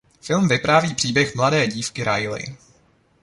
Film vypráví příběh mladé dívky "Riley".